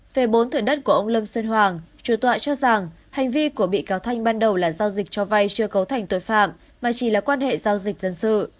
về bốn thửa đất của ông lâm sơn hoàng chủ tọa cho rằng hành vi của bị cáo thanh ban đầu là giao dịch cho vay chưa cấu thành tội phạm mà chỉ là quan hệ giao dịch dân sự